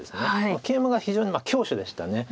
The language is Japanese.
ケイマが非常に強手でした。